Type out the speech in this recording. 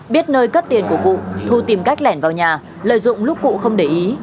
biết nơi cất tiền của cụ thu tìm cách lẻn vào nhà lợi dụng lúc cụ không để ý